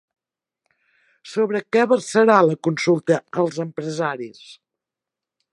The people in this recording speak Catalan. Sobre què versarà la consulta als empresaris?